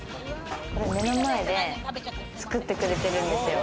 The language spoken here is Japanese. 目の前で作ってくれてるんですよ。